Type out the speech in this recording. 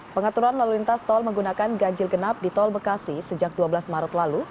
pengaturan lalu lintas tol menggunakan ganjil genap di tol bekasi sejak dua belas maret lalu